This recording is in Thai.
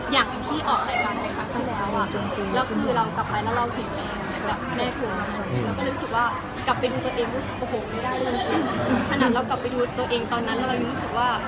อย่างที่ออกรายการแบบนั้นครั้งก็แล้วอะ